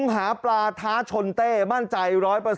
หาปลาท้าชนเต้มั่นใจ๑๐๐